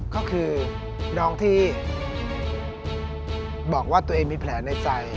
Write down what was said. ก็คือน้องที่บอกว่าตัวเองมีแผลในใจ